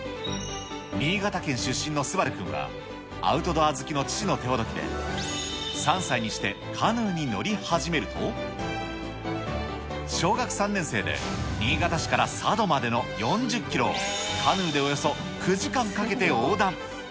新潟県出身の素晴君はアウトドア好きの父の手ほどきで、３歳にしてカヌーに乗り始めると、小学３年生で、新潟市から佐渡までの４０キロを、カヌーでおよそ９時間かけて横断。